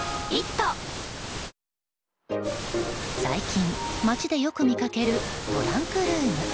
最近、街でよく見かけるトランクルーム。